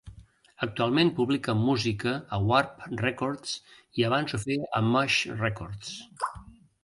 Actualment publica música a Warp Records i abans ho feia a Mush Records.